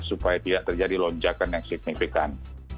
supaya tidak terjadi lonjakan yang signifikan